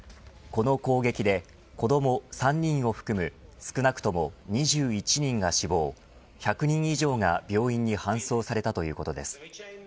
この攻撃で、子ども３人を含む少なくとも２１人が死亡１００人以上が病院に搬送されたということです。